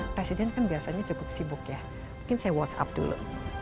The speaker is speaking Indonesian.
presiden kan biasanya cukup sibuk ya mungkin saya whatsapp dulu